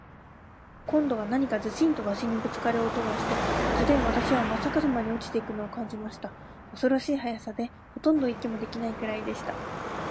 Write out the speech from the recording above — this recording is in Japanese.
今度は何かズシンと鷲にぶっつかる音がして、突然、私はまっ逆さまに落ちて行くのを感じました。恐ろしい速さで、ほとんど息もできないくらいでした。